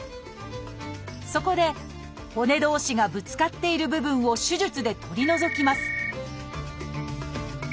そこで骨同士がぶつかっている部分を手術で取り除きます